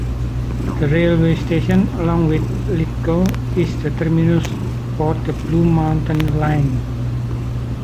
The railway station, along with Lithgow, is the terminus for the Blue Mountains Line.